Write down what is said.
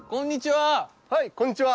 はいこんにちは！